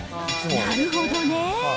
なるほどねぇー。